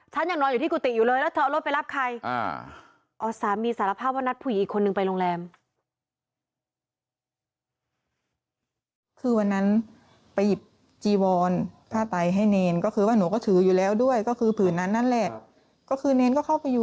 ฉันยังนอนอยู่ที่กุฏิอยู่เลยแล้วเธอเอารถไปรับใคร